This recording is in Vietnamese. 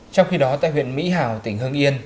trong khi đó tại huyện mỹ hào tỉnh hưng yên